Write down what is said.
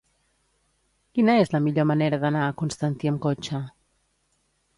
Quina és la millor manera d'anar a Constantí amb cotxe?